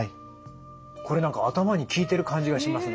これ何か頭に効いてる感じがします